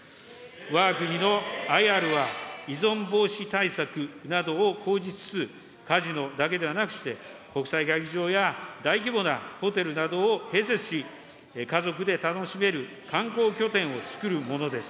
わが国のＩＲは、依存防止対策などを講じつつ、カジノだけではなくして、国際会議場や大規模なホテルなどを併設し、家族で楽しめる観光拠点をつくるものです。